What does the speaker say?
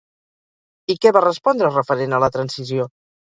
I què va respondre referent a la transició?